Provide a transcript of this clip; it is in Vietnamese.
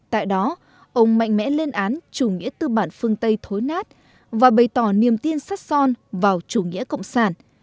tại đó ông mạnh mẽ lên án chủ nghĩa tư bản phương tây thối nát và bày tỏ niềm tin sắt son vào chủ nghĩa cộng sản